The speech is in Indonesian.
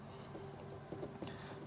masuk dan keluar